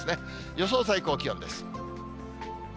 予想最高気温です。